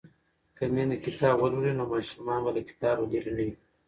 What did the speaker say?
که میندې کتاب ولولي نو ماشومان به له کتابه لرې نه وي.